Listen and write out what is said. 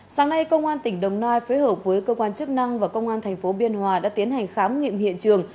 sáng nay công an tỉnh đồng nai phối hợp với cơ quan chức năng và công an tp biên hòa đã tiến hành khám nghiệm hiện trường